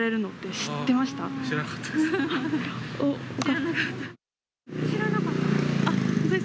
知らなかったです。